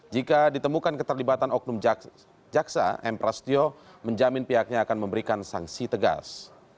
jika ditemukan keterlibatan oknum jaksa m prasetyo menjamin pihaknya akan memberikan sanksi tegas